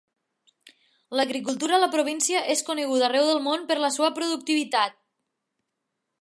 L'agricultura a la província és coneguda arreu del món per la seva productivitat.